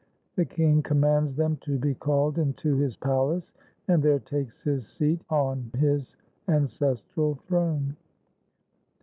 The king commands them to be called Into his palace, and there takes his seat On his ancestral throne.